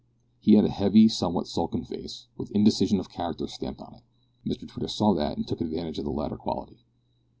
He had a heavy, somewhat sulky face, with indecision of character stamped on it. Mr Twitter saw that and took advantage of the latter quality.